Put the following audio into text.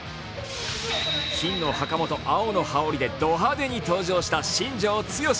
金のはかまと青の羽織りでド派手に登場した新庄剛志